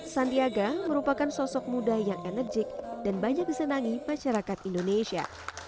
sandiaga merupakan sosok muda yang enerjik dan banyak disenangi masyarakat indonesia